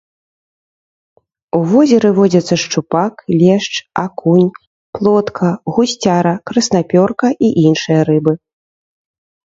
У возеры водзяцца шчупак, лешч, акунь, плотка, гусцяра, краснапёрка і іншыя рыбы.